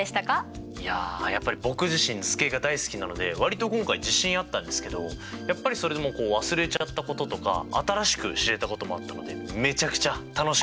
いややっぱり僕自身図形が大好きなので割と今回自信あったんですけどやっぱりそれでも忘れちゃったこととか新しく知れたこともあったのでめちゃくちゃ楽しかったです。